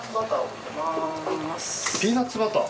ピーナッツバター？